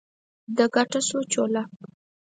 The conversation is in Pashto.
ده ګټه سوچوله.